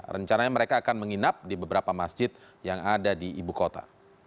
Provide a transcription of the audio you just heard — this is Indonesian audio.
rencananya mereka akan menginap di beberapa masjid yang ada di ibu kota